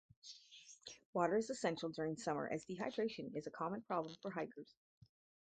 Water is essential during summer as dehydration is a common problem for hikers.